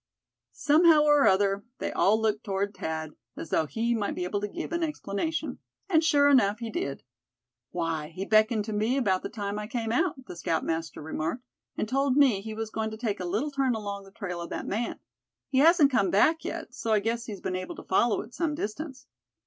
Somehow or other they all looked toward Thad, as though he might be able to give an explanation. And sure enough, he did. "Why, he beckoned to me about the time I came out," the scoutmaster remarked, "and told me he was going to take a little turn along the trail of that man. He hasn't come back yet; so I guess he's been able to follow it some distance."